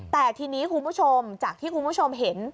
แต่ทีนี้คุณผู้ชมจากที่คุณผู้ชมเห็น